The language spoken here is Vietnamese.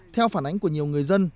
theo phản ánh của nhiều người dân